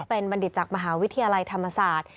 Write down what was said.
เป็นบัณฑิตจากมหาวิทยาลัยธรรมศาสตร์